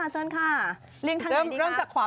เริ่มจากขวามือดีกว่า